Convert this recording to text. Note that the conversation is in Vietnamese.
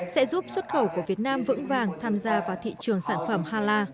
sẽ giúp xuất khẩu của việt nam vững vàng tham gia vào thị trường sản phẩm hala